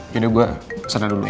yaudah gue kesana dulu